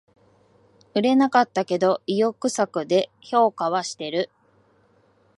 売れなかったけど意欲作で評価はしてる